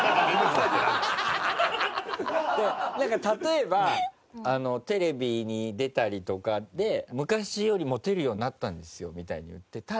例えば「テレビに出たりとかで昔よりモテるようになったんですよ」みたいに言って。